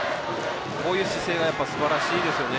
こういう姿勢がすばらしいですよね。